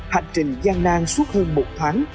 hành trình gian nan suốt hơn một tháng